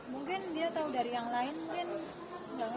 mungkin dia tau dari yang lain